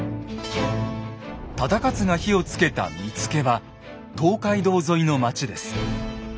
忠勝が火をつけた見付は東海道沿いの町です。